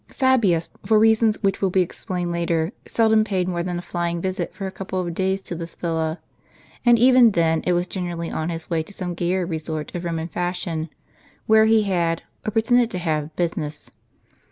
Fabius, for reasons which will be explained later, seldom paid more than a flying visit for a couple of days to this villa ; and even • then it was generally on his way to some gayer resort of Roman fashion, where he had, or pretended to have, business.